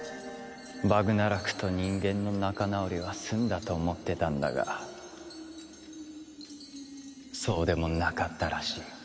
バグナラクと人間の仲直りは済んだと思ってたんだがそうでもなかったらしい。